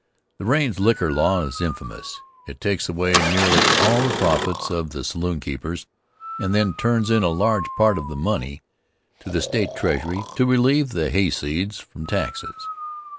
The Raines liquor law is infamous It takes away nearly all the profits of the saloonkeepers, and then turns in a large part of the money to the State treasury to relieve the hayseeds from taxes.